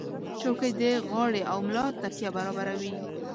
چوکۍ د غاړې او ملا تکیه برابروي.